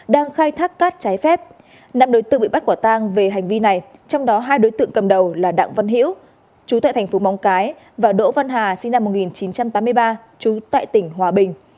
đang khai thác cát trái phép năm đối tượng bị bắt quả tang về hành vi này trong đó hai đối tượng cầm đầu là đặng văn hiễu chú tại thành phố móng cái và đỗ văn hà sinh năm một nghìn chín trăm tám mươi ba trú tại tỉnh hòa bình